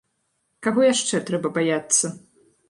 Каго яшчэ трэба баяцца?